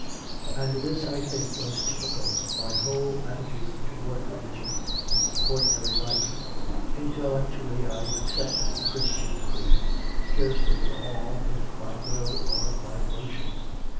And this, I think, was typical of my whole atti tude towards religion in ordinary life. Intellec tually I accepted the Christian Creed; scarcely CONFESSIONS OF A CONVERT 27 at all with my will or my emotion.